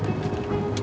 iya baik bu